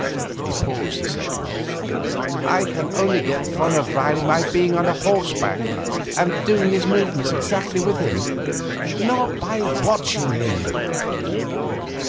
He paused a second. 'I can only get the fun of riding by being on a horse's back and doing his movements exactly with him not by watching him.